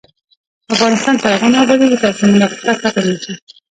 افغانستان تر هغو نه ابادیږي، ترڅو منافقت ختم نشي.